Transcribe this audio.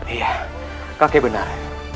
iya kakek benar